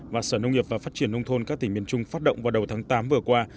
và sở nông nghiệp và phát triển nông thôn các tỉnh miền trung phát động vào đầu tháng tám vừa qua